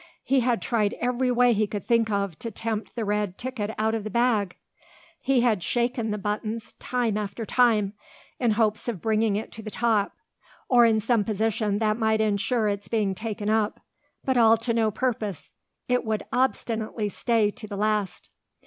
He had tried every way he could think of to tempt the red ticket out of the bag. He had shaken the buttons time after time, in hopes of bringing it to the top, or in some position that might insure its being taken up. But all to no purpose. It would obstinately stay to the last.